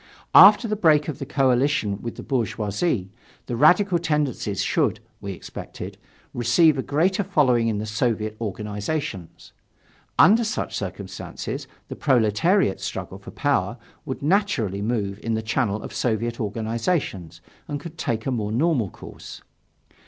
After the break of the coalition with the bourgeoisie, the radical tendencies should, we expected, receive a greater following in the Soviet organizations. Under such circumstances, the proletariat's struggle for power would naturally move in the channel of Soviet organizations and could take a more normal course.